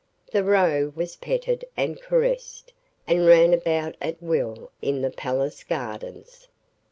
The Roe was petted and caressed, and ran about at will in the palace gardens.